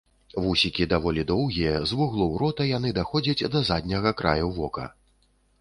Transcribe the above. Вусікі даволі доўгія, з вуглоў рота яны даходзяць да задняга краю вока.